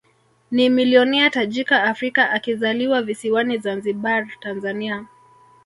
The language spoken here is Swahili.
Ni milionea tajika Afrika akizaliwa visiwani Zanzibar Tanzania